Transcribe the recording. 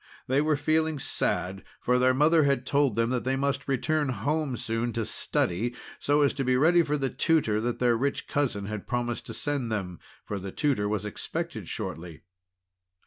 They were feeling sad, for their mother had told them that they must return home soon to study, so as to be ready for the tutor that their rich cousin had promised to send them. For the tutor was expected shortly.